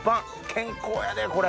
健康やでこれ。